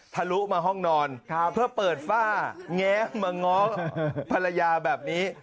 ลุมาห้องนอนเพื่อเปิดฝ้าแง้มมาง้อภรรยาแบบนี้